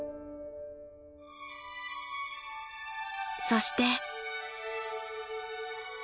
そして。